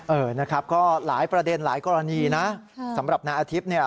เออนะครับก็หลายประเด็นหลายกรณีนะสำหรับนายอาทิตย์เนี่ย